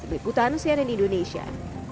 beriputan cnn indonesia